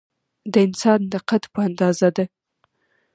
د انسان د قد په اندازه ده.